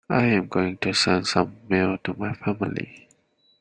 I am going to send some mail to my family.